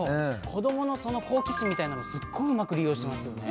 子どものその好奇心みたいなのもすっごいうまく利用してますよね。